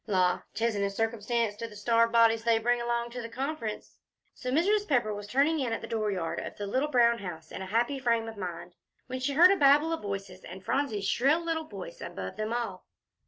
La! 'tisn't a circumstance to the starved bodies they bring along to Conference." So Mrs. Pepper was turning in at the dooryard of the little brown house in a happy frame of mind, when she heard a babel of voices, and Phronsie's little shrill voice above them all.